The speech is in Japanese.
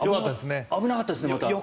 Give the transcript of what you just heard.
危なかったですね、また。